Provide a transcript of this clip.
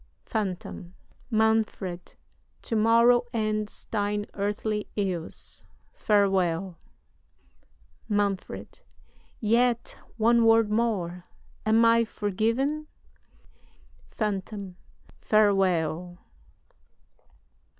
"PHANTOM. Manfred! To morrow ends thine earthly ills. Farewell! "MANFRED. Yet one word more am I forgiven? "PHANTOM. Farewell!